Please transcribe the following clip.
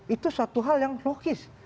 itu suatu hal yang logis